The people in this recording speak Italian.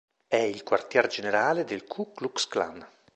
È il quartier generale del Ku Klux Klan.